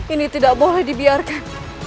ini tidak boleh dibiarkan